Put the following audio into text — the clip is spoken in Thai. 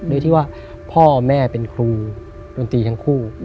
โดยที่ว่าพ่อแม่เป็นครูดนตรีทั้งคู่